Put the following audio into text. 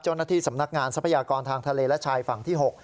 เจ้าหน้าที่สำนักงานทรัพยากรทางทะเลและชายฝั่งที่๖